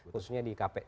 khususnya di kpk